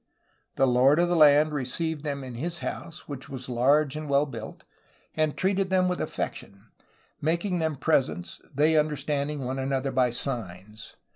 The lord of the land received them in his house, which was large and well built, and treated them with affection, making them presents, ~ they understanding one another by signs.